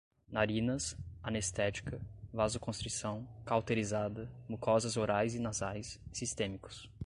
narinas, anestética, vasoconstrição, cauterizada, mucosas orais e nasais, sistêmicos